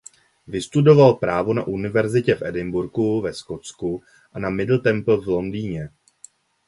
Vystudoval právo na univerzitě v Edinburghu ve Skotsku a na Middle Temple v Londýně.